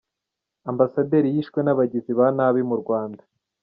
Ambasaderi yishwe n’abagizi ba nabi m u’rwanda